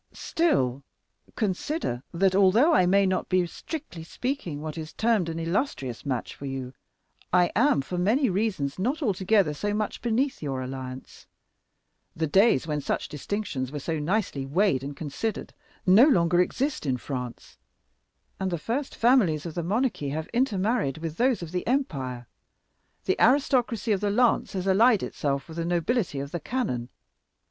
"Still, consider that although I may not be, strictly speaking, what is termed an illustrious match for you, I am, for many reasons, not altogether so much beneath your alliance. The days when such distinctions were so nicely weighed and considered no longer exist in France, and the first families of the monarchy have intermarried with those of the empire. The aristocracy of the lance has allied itself with the nobility of the cannon.